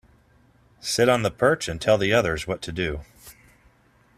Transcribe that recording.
Sit on the perch and tell the others what to do.